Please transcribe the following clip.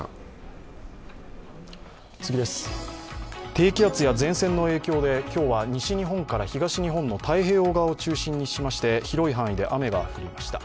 低気圧や前線の影響で今日は西日本から東日本の太平洋側を中心にしまして広い範囲で雨が降りました。